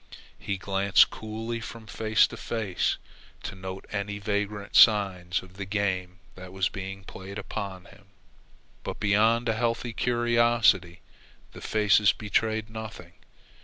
He glanced coolly from face to face to note any vagrant signs of the game that was being played upon him, but beyond a healthy curiosity the faces betrayed nothing.